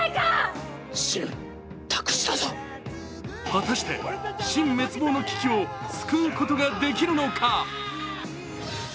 果たして、秦滅亡の危機を救うことができるのか。